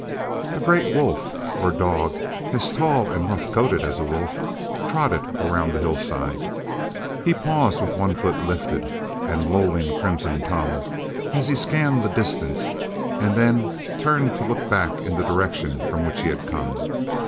A great wolf, or a dog as tall and rough coated as a wolf, trotted around the hillside. He paused with one foot lifted and lolling, crimson tongue, as he scanned the distance and then turned to look back in the direction from which he had come.